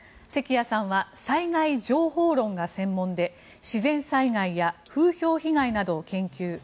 関谷さんは災害情報論が専門で自然災害や風評被害などを研究。